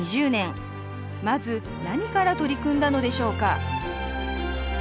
まず何から取り組んだのでしょうか？